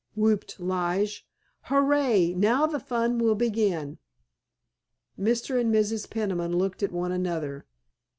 whooped Lige, "hurray, now the fun will begin!" Mr. and Mrs. Peniman looked at one another.